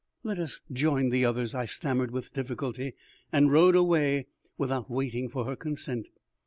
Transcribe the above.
"Let us join the others," I stammered with difficulty, and rode away without waiting for her consent.